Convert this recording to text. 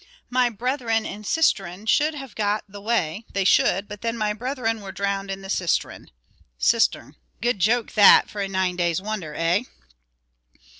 My brethren and sistren should have got the whey they should, but then my brethren were drowned in the sistren [cistern] good joke, that, for a nine days' wonder. Eh?"